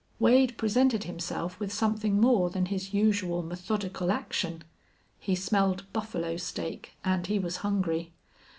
Wade presented himself with something more than his usual methodical action. He smelled buffalo steak, and he was hungry.